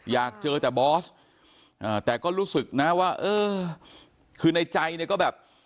อยากเจอแต่บอสแต่ก็รู้สึกนะว่าเออคือในใจเนี่ยก็แบบ